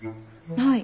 はい。